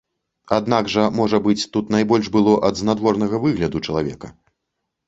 Аднак жа, можа быць, тут найбольш было ад знадворнага выгляду чалавека.